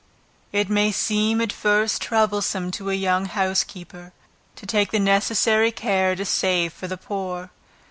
It may seem at first troublesome to a young housekeeper, to take the necessary care to save for the poor.